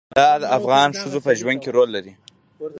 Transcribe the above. طلا د افغان ښځو په ژوند کې رول لري.